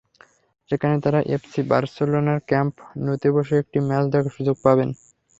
সেখানে তাঁরা এফসি বার্সেলোনার ক্যাম্প ন্যুতে বসে একটি ম্যাচ দেখার সুযোগ পাবেন।